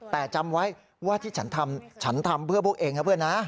แต่จำไว้ว่าที่ฉันทำฉันทำเพื่อพวกเองนะเพื่อนนะ